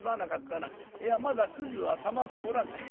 いやまだくずはたまっておらんが」。